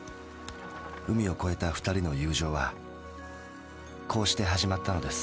海を越えたふたりの友情はこうしてはじまったのです。